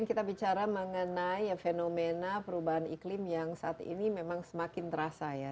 kita bicara mengenai fenomena perubahan iklim yang saat ini memang semakin terasa ya